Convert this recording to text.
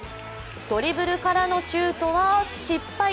ドリブルからのシュートは失敗。